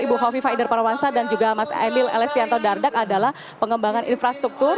ibu hovifa inder parawansa dan juga mas emil elestianto dardak adalah pengembangan infrastruktur